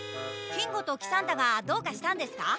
金吾と喜三太がどうかしたんですか？